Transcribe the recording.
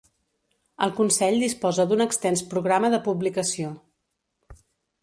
El consell disposa d'un extens programa de publicació.